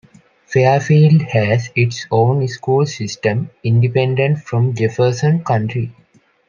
Fairfield has its own school system, independent from Jefferson County.